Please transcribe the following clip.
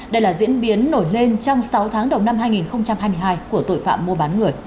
đây là diễn biến nổi lên trong sáu tháng đầu năm hai nghìn hai mươi hai của tội phạm mua bán người